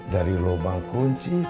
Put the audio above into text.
dari lobang kunci